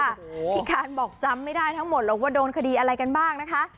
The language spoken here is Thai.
พี่คานบอกจำไม่ได้ทั้งหมดหรอกว่าโดนคดีอะไรกันบ้างนะคะ